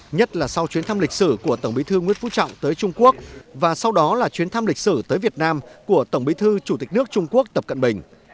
nhất là sau chuyến thăm lịch sử của tổng bí thư nguyễn phú trọng tới trung quốc và sau đó là chuyến thăm lịch sử tới việt nam của tổng bí thư chủ tịch nước trung quốc tập cận bình